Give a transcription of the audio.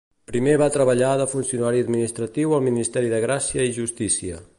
Primer va treballar de funcionari administratiu al Ministeri de gràcia i justícia.